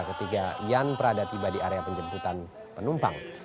ketika ian prada tiba di area penjemputan penumpang